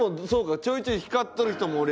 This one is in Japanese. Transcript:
ちょいちょい光っとる人も。